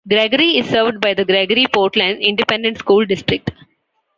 Gregory is served by the Gregory-Portland Independent School District.